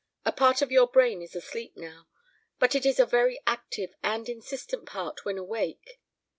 A part of your brain is asleep now, but it is a very active and insistent part when awake.